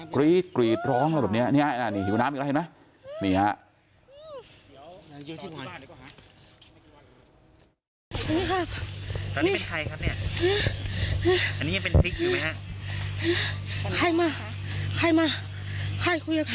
กรีดกรีดร้องแบบนี้นี่หิวน้ำอีกแล้วเห็นไหมนี่ฮะ